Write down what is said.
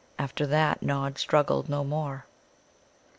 After that Nod struggled no more.